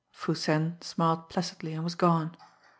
Foo Sen smiled placidly, and was gone.